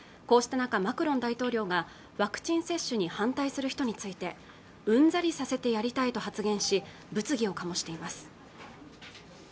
こうした中マクロン大統領がワクチン接種に反対する人についてうんざりさせてやりたいと発言し物議を醸しています